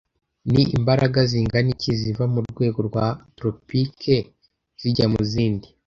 Ni imbaraga zingana iki ziva mu rwego rwa tropique zijya mu zindi